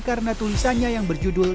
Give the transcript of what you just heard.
karena tulisannya yang berjudul